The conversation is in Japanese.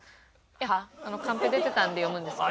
カンペ出てたんで読むんですけど。